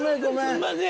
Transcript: すんません。